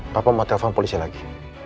papa mau telepon polisnya lagi